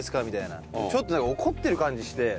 ちょっと怒ってる感じして。